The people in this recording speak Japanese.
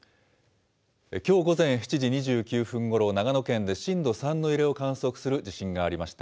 きょう午前７時２９分ごろ、長野県で震度３の揺れを観測する地震がありました。